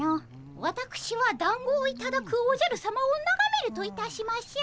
わたくしはだんごをいただくおじゃるさまをながめるといたしましょう。